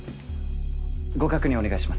ご確認お願いします。